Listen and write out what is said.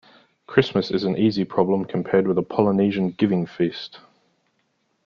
Christmas is an easy problem compared with a Polynesian giving-feast.